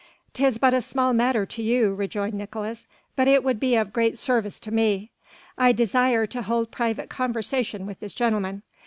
"'Tis but a small matter to you," rejoined Nicolaes, "but it would be of great service to me. I desire to hold private conversation with this gentleman.